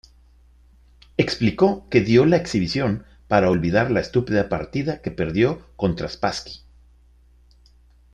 Explicó que dio la exhibición para olvidar la estúpida partida que perdió contra Spassky.